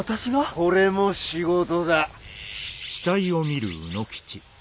これも仕事だ。